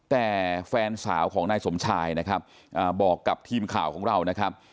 แต่แฟนสาวของนายสมชายนะครับบอกกับทีมข่าวของเรานะครับ